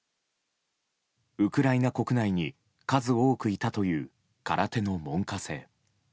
ウクライナ国内に数多くいたという空手の門下生。